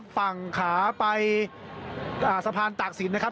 ฝั่งขาไปสะพานตากศิลปนะครับ